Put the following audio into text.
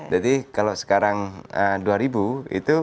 jadi kalau sekarang dua itu